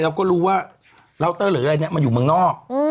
เราก็รู้ว่าเลาเตอร์หรืออะไรเนี่ยมันอยู่เมืองนอก